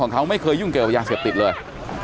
ของเขาไม่เคยยุ่งเกี่ยวกับยาเสพติดเลย